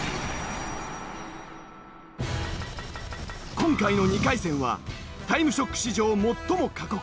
今回の２回戦は『タイムショック』史上最も過酷。